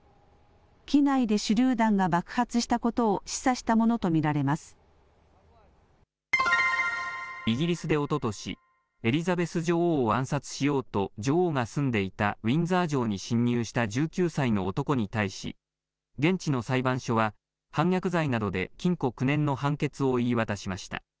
機内で手りゅう弾が爆発したことをイギリスでおととしエリザベス女王を暗殺しようと女王が住んでいたウィンザー城に侵入した１９歳の男に対し現地の裁判所は反逆罪などで禁錮９年の判決を言い渡しました。